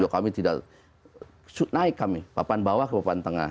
kami tidak naik kami papan bawah ke papan tengah